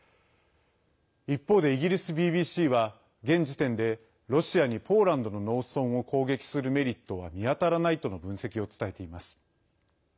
一方でイギリスＢＢＣは現時点でロシアに、ポーランドの農村を攻撃するメリットは見当たらないとの分析を伝えています。